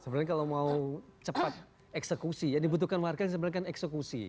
sebenarnya kalau mau cepat eksekusi yang dibutuhkan warga sebenarnya kan eksekusi